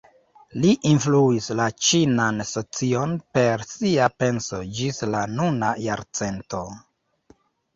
Li influis la ĉinan socion per sia penso ĝis la nuna jarcento.